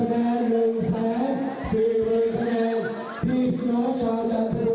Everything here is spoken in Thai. กำลังใจยังดีเห็นผมไหมพี่น้องประชาชน